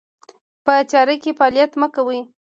په تیاره کې مطالعه مه کوئ